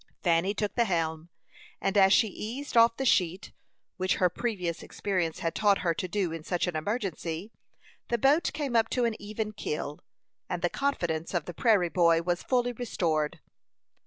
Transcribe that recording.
Fanny took the helm, and, as she eased off the sheet, which her previous experience had taught her to do in such an emergency, the boat came up to an even keel, and the confidence of the prairie boy was fully restored.